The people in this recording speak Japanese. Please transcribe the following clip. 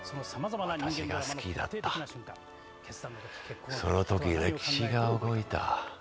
私が好きだった「その時歴史が動いた」。